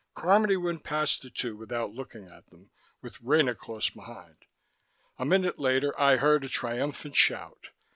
Carmody went past the two without looking at them, with Rena close behind. A minute later, I heard a triumphant shout.